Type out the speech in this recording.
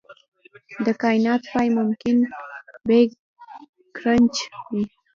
د کائنات پای ممکن بیګ کرنچ وي.